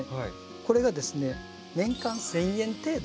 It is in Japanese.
これがですね「年間１，０００円程度」。